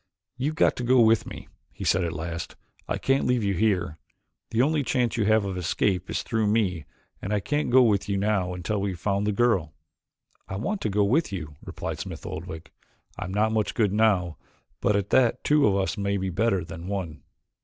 "You've got to go with me," he said at last. "I can't leave you here. The only chance you have of escape is through me and I can't go with you now until we have found the girl." "I want to go with you," replied Smith Oldwick. "I'm not much good now but at that two of us may be better than one."